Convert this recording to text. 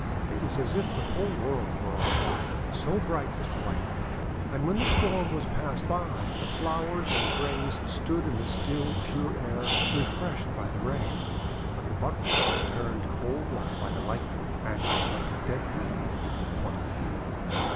It was as if the whole world were on fire, so bright was the Lightning. And when the Storm was passed by, the flowers and grains stood in the still pure air, refreshed by the Rain. But the Buckwheat was turned coal black by the Lightning, and it was like a dead weed upon the field.